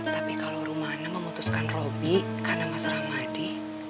tapi kalau romana memutuskan robby karena mas ramadi